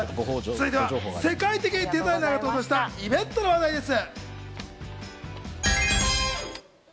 続いては世界的デザイナーが登場したイベントの話題です。